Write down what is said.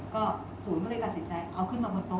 ก็ศูนย์บริการสินใจเอาขึ้นมาบนโต๊ะ